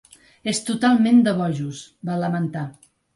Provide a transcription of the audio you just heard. És totalment de bojos, va lamentar.